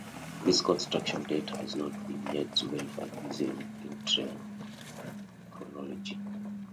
This construction date has not yet been verified using dendrochronology.